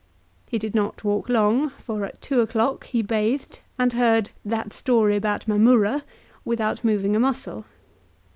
He did not walk long, for at two o'clock he bathed, and heard " that story about Mamurra," without moving a muscle.